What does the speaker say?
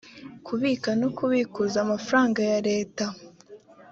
kubika no kubikuza amafaranga ya leta